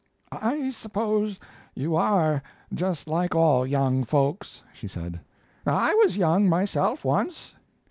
"I suppose you are just like all young folks," she said. "I was young myself once.